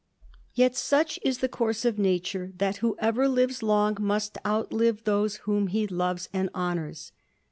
Yet such is the course of nature, that whoever lives loi^ must outlive those whom he loves and honours.